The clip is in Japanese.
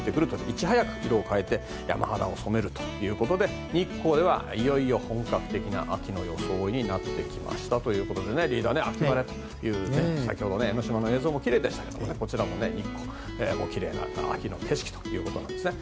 いち早く色を変えて山肌を染めるということで日光では、いよいよ本格的な秋の装いになってきましたということで秋晴れと先ほどの江の島の映像もきれいでしたけどこちらの日光も秋の景色ということですね。